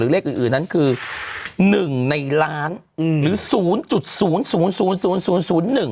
เลขอื่นอื่นนั้นคือหนึ่งในล้านอืมหรือศูนย์จุดศูนย์ศูนย์ศูนย์หนึ่ง